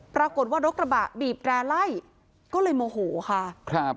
ปรากฏว่ารถกระบะบีบแร่ไล่ก็เลยโมโหค่ะครับ